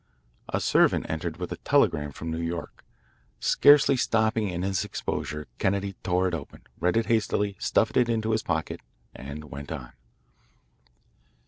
A servant entered with a telegram from New York. Scarcely stopping in his exposure, Kennedy tore it open, read it hastily, stuffed it into his pocket, and went on.